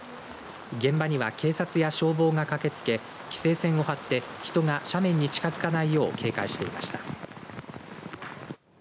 現場には警察や消防が駆けつけ規制線を張って人が斜面に近づかないよう警戒していました。